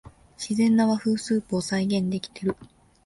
自然な和風スープを再現できてる